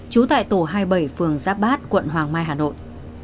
trú tại tổ hai mươi bảy phường giáp bát quận hoàng mai hà nội